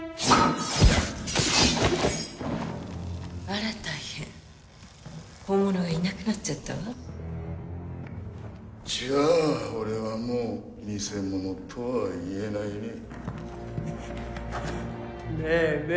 あら大変本物がいなくなっちゃったわじゃあ俺はもう偽物とは言えないねねえね